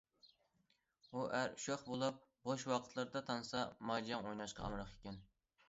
ئۇ ئەر شوخ بولۇپ، بوش ۋاقىتلىرىدا تانسا، ماجاڭ ئويناشقا ئامراق ئىكەن.